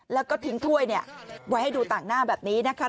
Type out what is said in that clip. แล้วก็ทิ้งถ้วยไว้ให้ดูต่างหน้าแบบนี้นะคะ